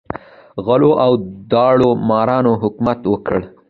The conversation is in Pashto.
غلو او داړه مارانو حکومت وکړ.